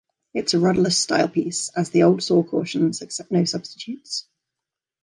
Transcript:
It's a rudderless style piece; as the old saw cautions, accept no substitutes.